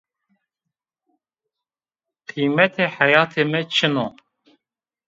Qiymetê heyatê mi çin o